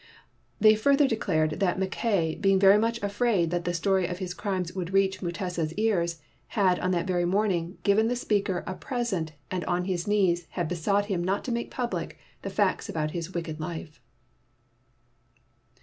They further declared that Mac kay, being very much afraid that the story of his crimes would reach Mutesa's ears, had, on that very morning, given the speaker a present and on his knees had besought him not to make public the facts about his wicked life.